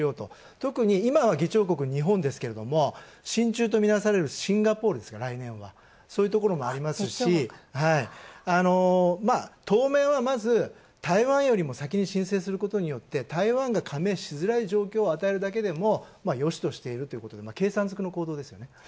特に今、議長国は日本ですけど、親中とみなされるシンガポールですね、そういうところがありますし当面は、まず台湾よりも先に申請することによって台湾が加盟しづらい状況を与えるだけでもよしとしているという、計算づくの行動ですよね。